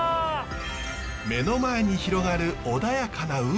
目の前に広がる穏やかな海。